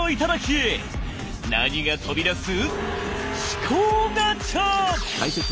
何が飛び出す？